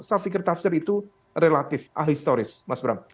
saya pikir tafsir itu relatif ahistoris mas bram